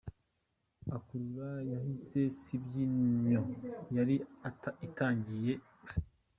Akavura gahise Sabyinyo yari itangiye guseka.